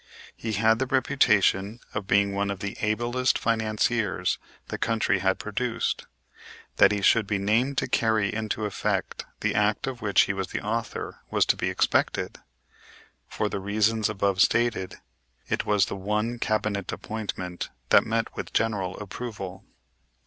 He had the reputation of being one of the ablest financiers the country had produced. That he should be named to carry into effect the act of which he was the author was to be expected. For the reasons above stated, it was the one Cabinet appointment that met with general approval.